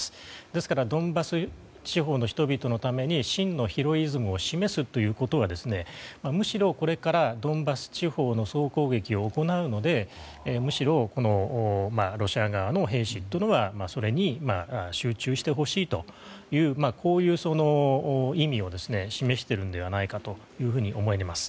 ですからドンバス地方の人々のために真のヒロイズムを示すということはむしろ、これからドンバス地方の総攻撃を行うので、むしろロシア側の兵士というのはそれに集中してほしいという意味を示しているのではないかと思います。